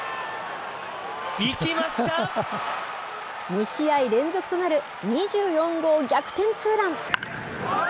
２試合連続となる２４号逆転ツーラン。